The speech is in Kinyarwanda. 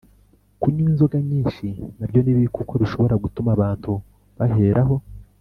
kunywa inzoga nyinshi na byo ni bibi kuko bishobora gutuma abantu baheraho